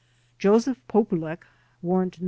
Joseph Polulech (Warrant No.